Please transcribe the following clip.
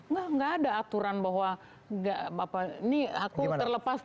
nggak ada aturan bahwa ini aku terlepas